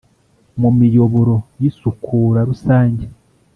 Mu miyoboro y isukura rusange